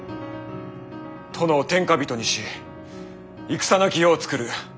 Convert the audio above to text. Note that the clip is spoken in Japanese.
殿を天下人にし戦なき世を作る。